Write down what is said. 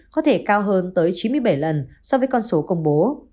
có thể cao hơn tới chín mươi bảy lần so với con số công bố